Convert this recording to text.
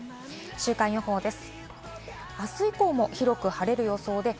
週間予報です。